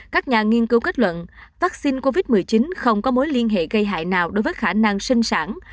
các nhà nghiên cứu kết luận vaccine covid một mươi chín không có mối liên hệ gây hại nào đối với khả năng sinh sản